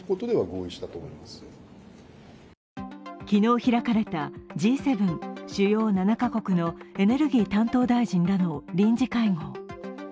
昨日開かれたＧ７＝主要７カ国のエネルギー担当大臣らの臨時会合。